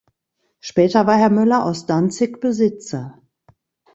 Später war Herr Möller aus Danzig Besitzer.